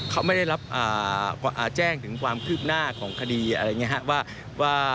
เขาไม่ได้รับแจ้งถึงความคืบหน้าของคดีอะไรอย่างนี้ครับว่า